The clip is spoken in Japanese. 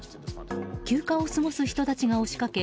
休暇を過ごす人たちが押し寄せ